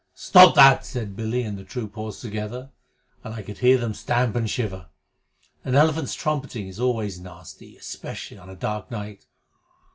"Stop that!" said Billy and the troop horse together, and I could hear them stamp and shiver. An elephant's trumpeting is always nasty, especially on a dark night.